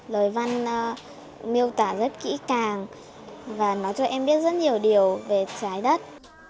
lời văn miêu tả rất kỹ càng và nói cho em biết rất nhiều điều về trái đất